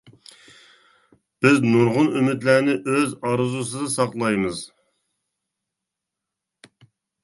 بىز نۇرغۇن ئۈمىدلەرنى ئۆز ئارزۇسىدا ساقلايمىز.